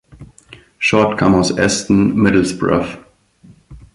Short kam aus Eston, Middlesbrough.